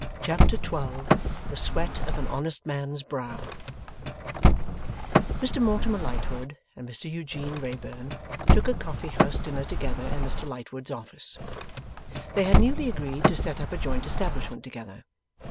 Chapter 12 THE SWEAT OF AN HONEST MAN'S BROW Mr Mortimer Lightwood and Mr Eugene Wrayburn took a coffee house dinner together in Mr Lightwood's office. They had newly agreed to set up a joint establishment together.